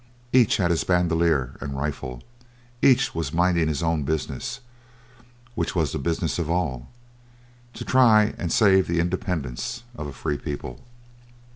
Each had his bandolier and rifle; each was minding his own business, which was the business of all to try and save the independence of a free people.